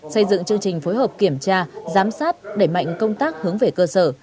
xây dựng chương trình phối hợp kiểm tra giám sát đẩy mạnh công tác hướng về cơ sở